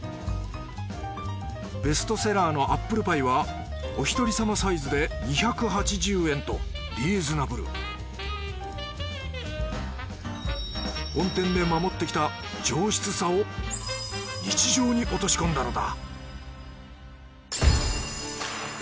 ベストセラーのアップルパイはおひとり様サイズで２８０円とリーズナブル本店で守ってきた上質さを日常に落とし込んだのだ